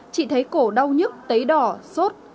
chỉ thấy cổ đau nhức tấy đỏ sốt